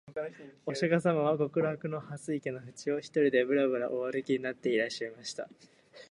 御釈迦様は極楽の蓮池のふちを、独りでぶらぶら御歩きになっていらっしゃいました